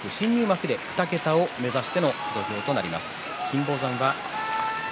明日、千秋楽へ新入幕で２桁を目指しての土俵となります。